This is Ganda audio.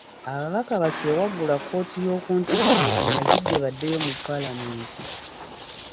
Ababaka bakyewaggula kkooti y'oku ntikko eragidde baddeyo mu paalamenti.